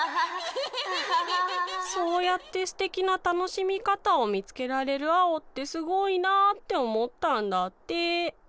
そうやってすてきなたのしみかたをみつけられるアオってすごいなっておもったんだって。